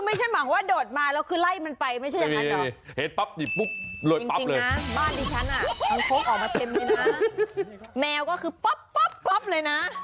แมวก็คือป๊บเลยนะ